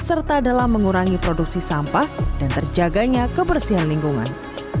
serta dalam mengurangi produksi sampah dan terjaganya kebersihan lingkungan